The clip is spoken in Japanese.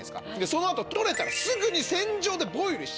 その後取れたらすぐに船上でボイルしちゃう。